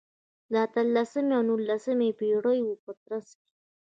د اتلسمې او نولسمې پېړیو په ترڅ کې.